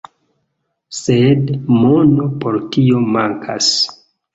Sed mono por tio mankas.